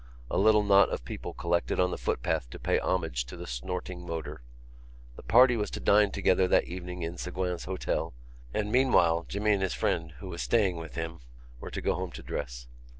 A little knot of people collected on the footpath to pay homage to the snorting motor. The party was to dine together that evening in Ségouin's hotel and, meanwhile, Jimmy and his friend, who was staying with him, were to go home to dress.